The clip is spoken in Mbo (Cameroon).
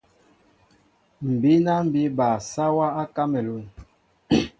M̀ bíná mbí bal sáwā á Kámalûn.